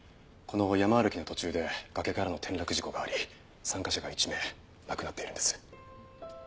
この山歩きの途中で崖からの転落事故があり参加者が１名亡くなっているんです。